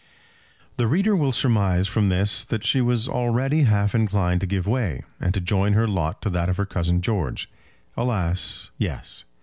The reader will surmise from this that she was already half inclined to give way, and to join her lot to that of her cousin George. Alas, yes!